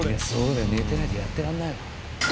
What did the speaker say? そうだよ寝てなきゃやってらんないよ。